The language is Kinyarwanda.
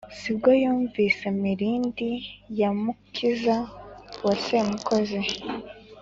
si bwo yumvise mirindi ya mukiza wa semukozi,